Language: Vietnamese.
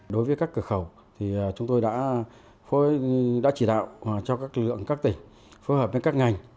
đối với các cửa khẩu thì chúng tôi đã chỉ đạo cho các lực lượng các tỉnh phối hợp với các ngành